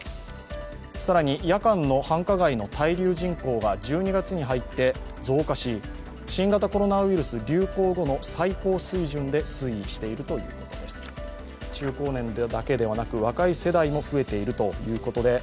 更に夜間の繁華街の滞留人口が１２月に入って増加し、新型コロナウイルス流行後の最高水準で推移しているということです。